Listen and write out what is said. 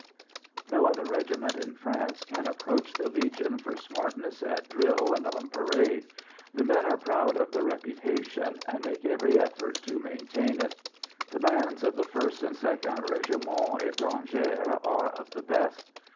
No other regiment in France can approach the Legion for smartness at drill and on parade. The men are proud of the reputation, and make every effort to maintain it. The bands of the 1st and 2nd Régiments Étrangers are of the best.